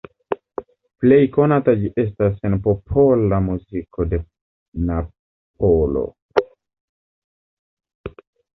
Plej konata ĝi estas en popola muziko de Napolo.